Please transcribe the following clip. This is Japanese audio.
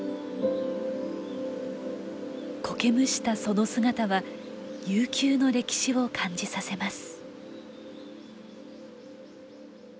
こけむしたその姿は悠久の歴史を感じさせます。